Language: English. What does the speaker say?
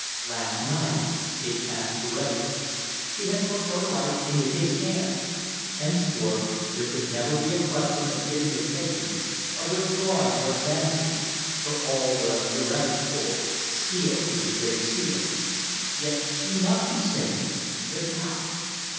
Last night it passed for ever. She had put her life into his hands; henceforth, there could never be a question of giving or taking, of withdrawing or advancing, for all was irrevocable, sealed with the great seal. Yet she must be saved. But how?